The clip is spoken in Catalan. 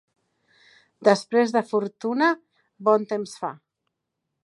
Després de fortuna bon temps fa.